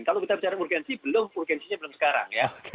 kalau kita bicara urgensi belum urgensinya belum sekarang ya